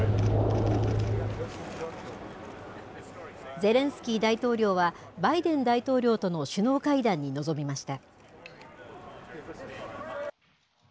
ゼレンスキー大統領はバイデン大統領との首脳会談に臨みました。